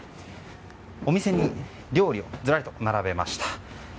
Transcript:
料理をずらりと並べました。